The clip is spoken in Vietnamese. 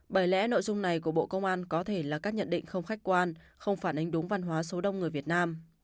bởi lẽ nội dung này của bộ công an có thể là các nhận định không khách quan không phản ánh đúng văn hóa số đông người việt nam